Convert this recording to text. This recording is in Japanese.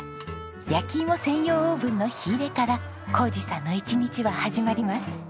焼き芋専用オーブンの火入れから宏二さんの一日は始まります。